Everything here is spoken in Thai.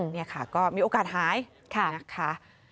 นี่ค่ะก็มีโอกาสหายนะคะ